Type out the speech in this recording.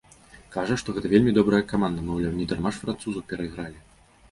Кажа, што гэта вельмі добрая каманда, маўляў, не дарма ж французаў перайгралі.